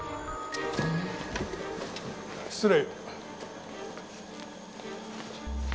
失礼。